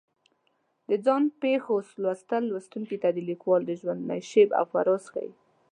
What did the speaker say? د ځان پېښو لوستل لوستونکي ته د لیکوال د ژوند نشیب و فراز ښیي.